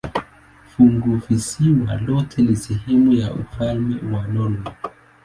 Funguvisiwa lote ni sehemu ya ufalme wa Norwei.